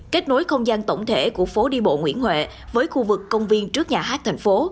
kết nối không gian tổng thể của phố đi bộ nguyễn huệ với khu vực công viên trước nhà hát thành phố